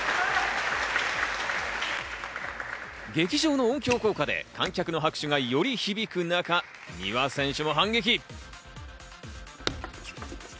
劇場の音響効果で観客の拍手がより響く中、丹羽選手も反撃。